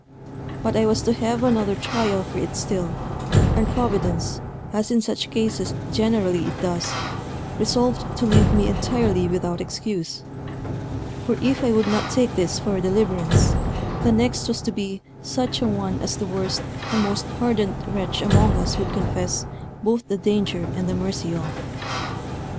But I was to have another trial for it still; and Providence, as in such cases generally it does, resolved to leave me entirely without excuse; for if I would not take this for a deliverance, the next was to be such a one as the worst and most hardened wretch among us would confess both the danger and the mercy of.